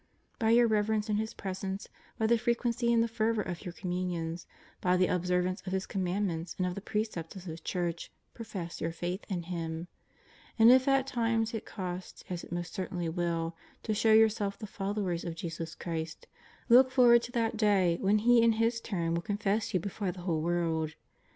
* By your reverence in His Presence, by the frequency and the fervour of your Communions, by the observance of His Commandments and of the precepts of His Church, profess your faith in Him. And if at times it costs, as it most certainly will, to show yourselves the followers of Jesus Christ, look forward to that Day when He in His turn will confess you before the whole world.